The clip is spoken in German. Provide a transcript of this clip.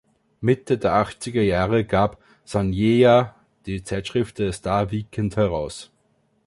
Mitte der Achtzigerjahre gab Saneeya die Zeitschrift „The Star Weekend“ heraus.